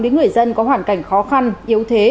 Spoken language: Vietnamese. đến người dân có hoàn cảnh khó khăn yếu thế